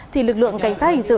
thì lực lượng cảnh sát hình sự